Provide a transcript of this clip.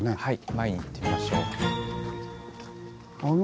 前に行ってみましょう。